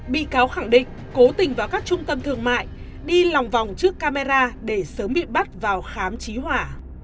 bị cáo khẳng định cố tình vào các trung tâm thương mại đi lòng vòng trước camera để sớm bị bắt vào khám trí hỏa